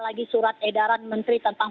lagi surat edaran menteri tentang